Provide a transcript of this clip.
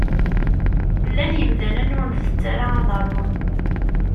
Llan yimdanen ur ntett ara ad rwun.